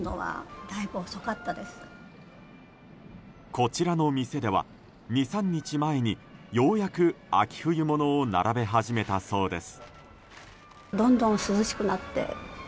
こちらの店では２３日前にようやく秋冬物を並べ始めたそうです。